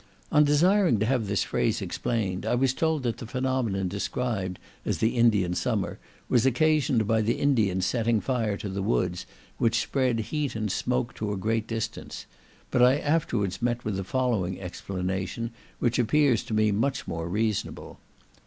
On desiring to have this phrase explained, I was told that the phenomenon described as the Indian Summer was occasioned by the Indians setting fire to the woods, which spread heat and smoke to a great distance; but I afterwards met with the following explanation, which appears to me much more reasonable.